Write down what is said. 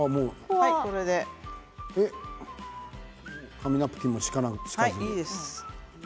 紙ナプキンも敷かずにいいです。